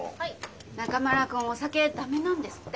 中村くんお酒ダメなんですって。